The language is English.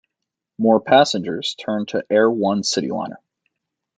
More passengers turned to Air One Cityliner.